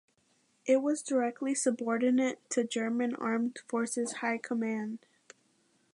It was directly subordinate to German Armed Forces High Command.